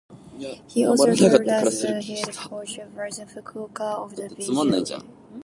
He also served as the head coach of Rizing Fukuoka of the bj league.